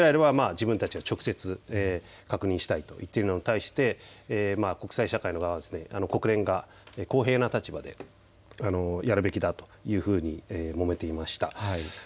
イスラエルは自分たちが直接、確認したいと言っているのに対して国際社会の側は国連が公平な立場でやるべきだというふうにもめていました。